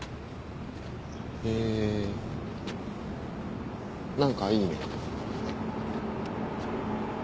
へぇ何かいいね。